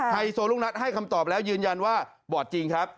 ไฮโซลูกนัดให้คำตอบแล้วยืนยันว่าบอร์ดจริงครับ